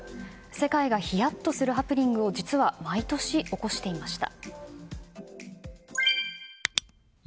世界がヒヤッとするハプニングを実は毎年起こしていました。